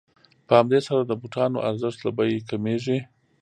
په همدې سره د بوټانو ارزښت له بیې کمېږي